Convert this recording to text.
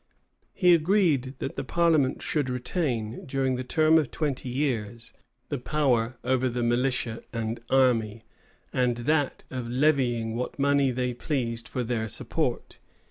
He agreed that the parliament should retain, during the term of twenty years, the power over the militia and army, and that of levying what money they pleased for their support.